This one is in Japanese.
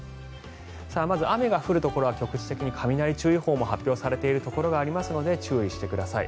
まず雨が降るところは局地的に雷注意報が発表されているところもありますので注意してください。